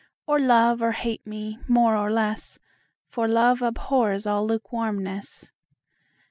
Or love or hate me more or less, 5 For love abhors all lukewarmness.